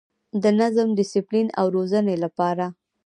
د نظم، ډسپلین او روزنې لپاره